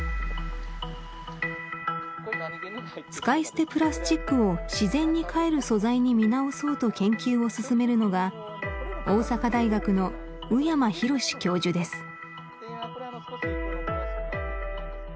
使い捨てプラスチックを自然にかえる素材に見直そうと研究を進めるのが大阪大学の宇山浩教授です